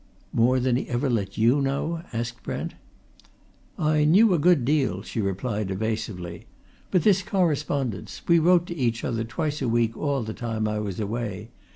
"More than he ever let you know?" asked Brent. "I knew a good deal," she replied evasively. "But this correspondence. We wrote to each other twice a week all the time I was away.